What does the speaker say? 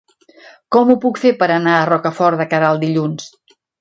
Com ho puc fer per anar a Rocafort de Queralt dilluns?